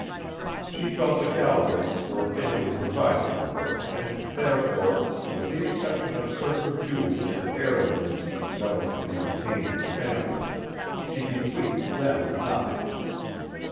She felt the Galbraiths were amply provided for and therefore, with the exception of certain jewels and heirlooms that were to be retained in the family, she bequeathed them nothing.